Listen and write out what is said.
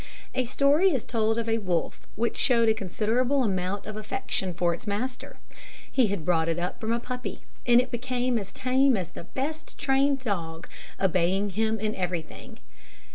A story is told of a wolf which showed a considerable amount of affection for its master. He had brought it up from a puppy, and it became as tame as the best trained dog, obeying him in everything.